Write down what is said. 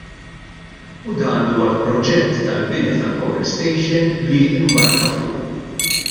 U dan huwa l-proġett tal-bini tal-power station li mbarka fuqu.